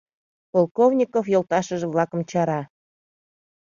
— Полковников йолташыже-влакым чара.